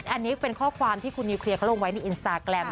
อันนี้เป็นข้อความที่คุณนิวเคลียร์เขาลงไว้ในอินสตาแกรม